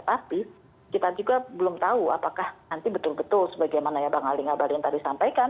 tapi kita juga belum tahu apakah nanti betul betul sebagaimana ya bang ali ngabalin tadi sampaikan